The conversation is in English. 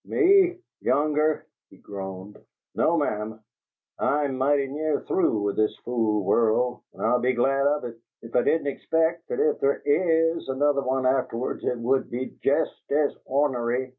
"Me YOUNGER!" he groaned. "No, ma'am! I'm mighty near through with this fool world and I'd be glad of it, if I didn't expect that if there IS another one afterwards, it would be jest as ornery!"